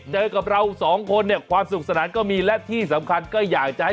เจอกับเราสองคนเนี่ยความสุขสนานก็มีและที่สำคัญก็อยากจะให้